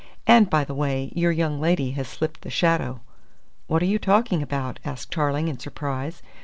And, by the way, your young lady has slipped the shadow." "What are you talking about?" asked Tarling in surprise.